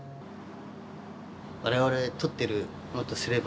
我々獲ってる者とすればね